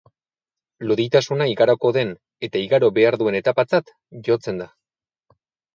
Loditasuna igaroko den eta igaro behar duen etapatzat jotzen da.